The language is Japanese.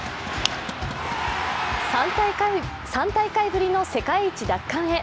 ３大会ぶりの世界一奪還へ。